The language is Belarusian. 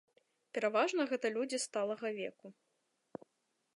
Пераважна гэта людзі сталага веку.